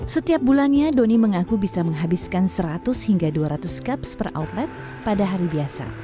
setiap bulannya doni mengaku bisa menghabiskan seratus hingga dua ratus cups per outlet pada hari biasa